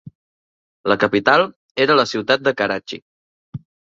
La capital era la ciutat de Karachi.